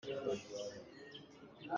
A mit a daat khan nun a zuam ti lo.